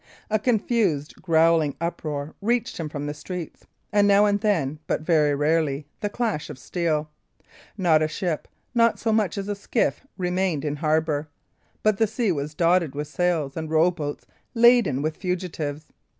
A confused, growling uproar reached him from the streets, and now and then, but very rarely, the clash of steel. Not a ship, not so much as a skiff remained in harbour; but the sea was dotted with sails and row boats laden with fugitives.